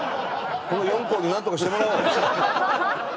この４校になんとかしてもらおう。